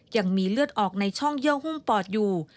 ยังมีเลือดออกในช่องเยื่อหุ้มปอดอยู่